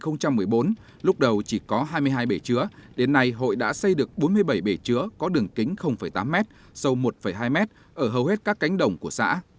năm hai nghìn một mươi bốn lúc đầu chỉ có hai mươi hai bể chứa đến nay hội đã xây được bốn mươi bảy bể chứa có đường kính tám m sâu một hai m ở hầu hết các cánh đồng của xã